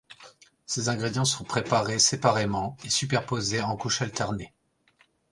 Ces ingrédients sont préparés séparément et superposés en couches alternées.